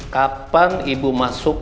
kapan ibu masuk